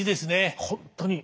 本当に。